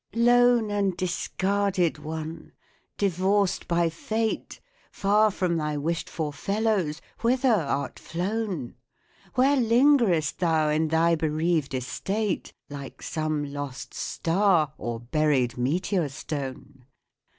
Lone and discarded one ! divorced by fate, Far from thy wished for fellows — whither art flown ? Where lingerest thou in thy bereaved estate, Like some lost star, or buried meteor stone